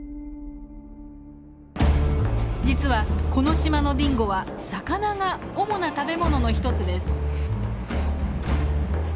実はこの島のディンゴは魚が主な食べ物の一つです。